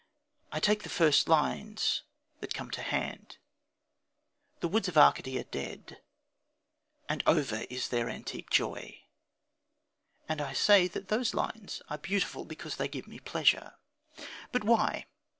I take the first fine lines that come to hand The woods of Arcady are dead, And over is their antique joy and I say that those lines are beautiful, because they give me pleasure. But why?